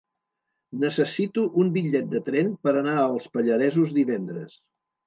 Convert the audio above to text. Necessito un bitllet de tren per anar als Pallaresos divendres.